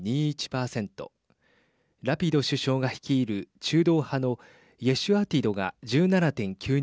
ラピド首相が率いる中道派のイェシュアティドが１７．９２％。